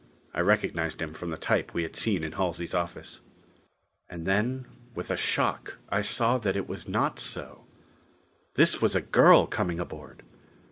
I recognized him from the type we had seen in Halsey's office. And then, with a shock, I saw it was not so. This was a girl coming aboard.